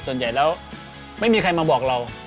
ส่วนใหญ่แล้วไม่มีใครมาบอกเรา